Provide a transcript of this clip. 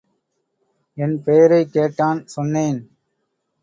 என் பெயரைக் கேட்டான், சொன்னேன்.